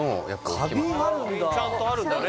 花瓶あるんだちゃんとあるんだね